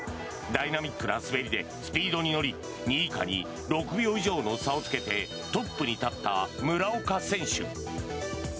ダイナミックな滑りでスピードに乗り２位以下に６秒以上の差をつけてトップに立った村岡選手。